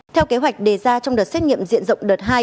theo kế hoạch đề ra trong đợt xét nghiệm diện rộng đợt hai